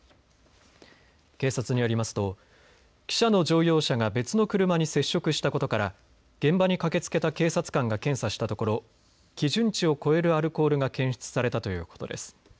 警察によりますと記者の乗用車が別の車に接触したことから現場に駆けつけた警察官が検査したところ基準地を超えるアルコールが検出されたということです。